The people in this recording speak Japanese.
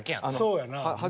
そうやな。